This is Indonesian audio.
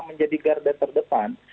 menjadi garda terdepan